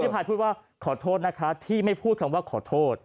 พายพูดว่าขอโทษนะคะที่ไม่พูดคำว่าขอโทษ